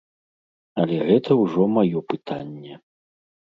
Але гэта ўжо маё пытанне.